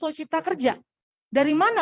loh sipta kerja dari mana